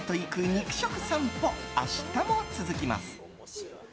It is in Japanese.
肉食さんぽ明日も続きます。